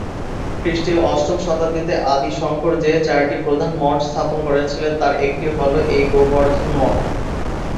খ্রিস্টীয় অষ্টম শতাব্দীতে আদি শঙ্কর যে চারটি প্রধান মঠ স্থাপন করেছিলেন, তার একটি হল এই গোবর্ধন মঠ।